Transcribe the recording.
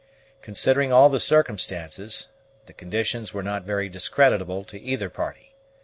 Considering all the circumstances, the conditions were not very discreditable to either party.